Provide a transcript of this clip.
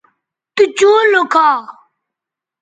تو چوں لوکھا